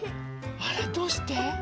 あらどうして？